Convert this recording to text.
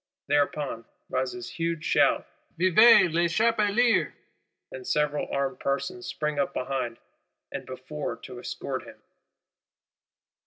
Thereupon "rises huge shout of Vive Lechapelier, and several armed persons spring up behind and before to escort him."